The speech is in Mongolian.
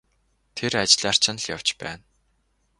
Тэр ажлаар чинь л явж байна.